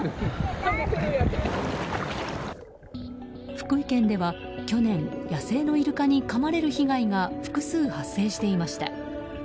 福井県では去年野生のイルカにかまれる被害が複数発生していました。